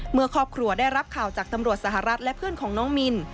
เมื่อครอบครัวได้รับข่าวจากตำรวจสหรัฐและเพื่อนของน้องมิน